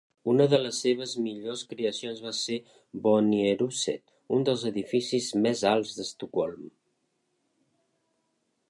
Una de les seves millors creacions va ser Bonnierhuset, un dels edificis més alts d'Estocolm.